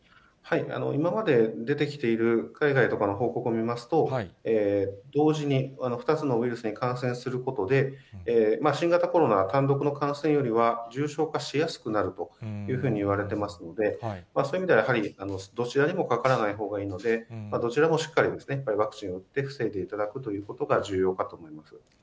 今まで出てきている海外とかの報告を見ますと、同時に２つのウイルスに感染することで、新型コロナ単独の感染よりは重症化しやすくなるというふうにいわれておりますので、そういう意味ではやはりどちらにもかからないほうがいいので、どちらもしっかりワクチンを打って防いでいただくということが重要かと思います。